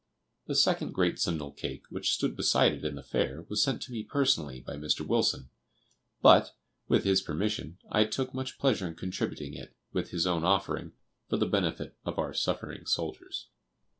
The second great Simnel cake which stood beside it in the Fair was sent to me personally by Mr. Wilson; but with his permission I took much pleasure in contributing it, with his own offering, for the benefit of our suffering soldiers.